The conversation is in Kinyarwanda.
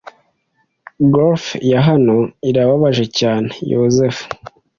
Gophers hano irababaje cyane. (Yozefu)